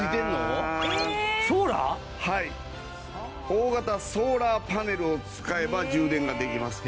大型ソーラーパネルを使えば充電ができます。